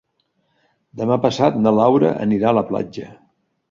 Demà passat na Laura anirà a la platja.